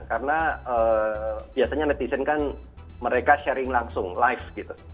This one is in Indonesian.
karena biasanya netizen kan mereka sharing langsung live gitu